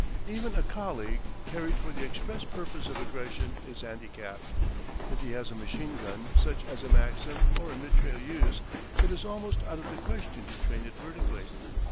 Even a colleague carried for the express purpose of aggression is handicapped. If he has a machinegun, such as a Maxim or a mitrailleuse, it is almost out of the question to train it vertically.